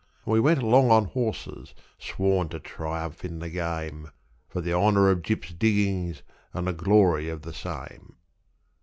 And we went along on horses, sworn to triumph in the game, For the honour of Gyp's Diggings, and the glory of the same.